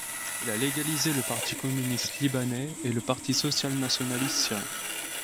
Il a légalisé le Parti communiste libanais, et le Parti social nationaliste syrien.